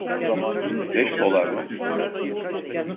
Beş dolar mı?